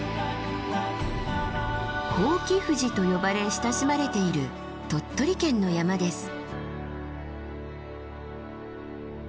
伯耆富士と呼ばれ親しまれている鳥取県の山です。